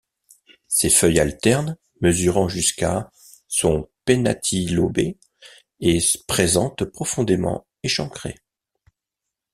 Ses feuilles alternes mesurant jusqu'à sont pennatilobées et présentent profondément échancrés.